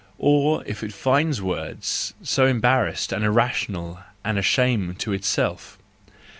Or if it finds words, so embarrassed and irrational and a shame to itself!